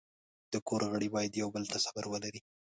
د کور غړي باید یو بل ته صبر ولري.